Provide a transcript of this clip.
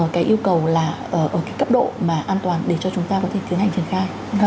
cái yêu cầu là ở cái cấp độ mà an toàn để cho chúng ta có thể tiến hành triển khai